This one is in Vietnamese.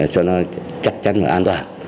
cho nó chắc chắn và an toàn